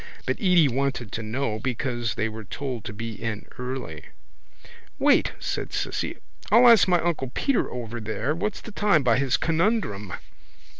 But Edy wanted to know because they were told to be in early. —Wait, said Cissy, I'll run ask my uncle Peter over there what's the time by his conundrum.